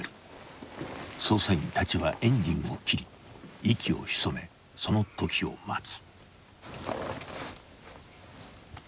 ［捜査員たちはエンジンを切り息を潜めその時を待つ］